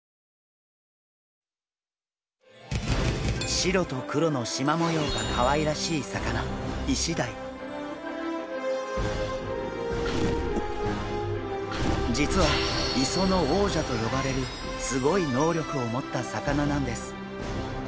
白と黒のしま模様がかわいらしい魚実は磯の王者と呼ばれるすごい能力を持った魚なんです！